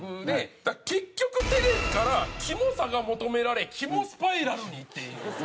「結局テレビからキモさが求められキモスパイラルに」っていう。